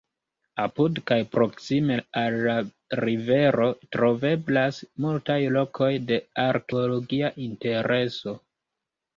Apud kaj proksime al la rivero troveblas multaj lokoj de arkeologia intereso.